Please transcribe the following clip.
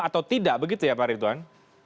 atau tidak begitu ya pak ridwan